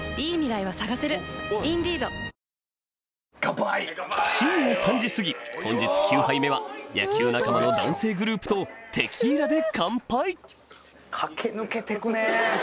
わかるぞ深夜３時過ぎ本日９杯目は野球仲間の男性グループとテキーラでカンパイ！